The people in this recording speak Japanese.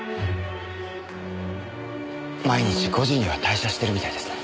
毎日５時には退社してるみたいですね。